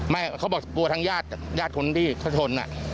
ไม่เขาบอกว่าทางย่าดย่าดคนที่เขาชน